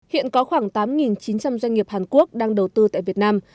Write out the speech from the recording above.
hiện có khoảng tám chín trăm linh doanh nghiệp hàn quốc đang đầu tư tại việt nam